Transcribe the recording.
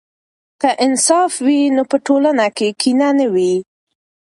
که انصاف وي نو په ټولنه کې کینه نه وي.